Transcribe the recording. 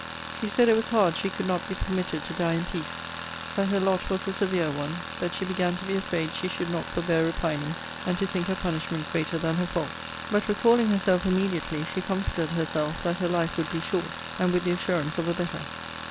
'She said it was hard she could not be permitted to die in peace: that her lot was a severe one: that she began to be afraid she should not forbear repining, and to think her punishment greater than her fault: but, recalling herself immediately, she comforted herself, that her life would be short, and with the assurance of a better.'